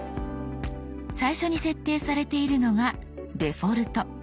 最初に設定されているのが「デフォルト」。